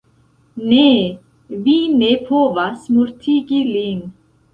Ne, vi ne povas mortigi lin.